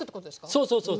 そうそうそうそう。